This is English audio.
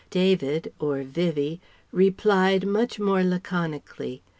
David or Vivie replied much more laconically.